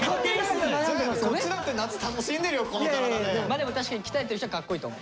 でも確かに鍛えてる人はかっこいいと思う。